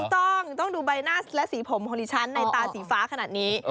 ถูกต้องต้องดูใบหน้าและสีผมของดิฉันในตาสีฟ้าขนาดนี้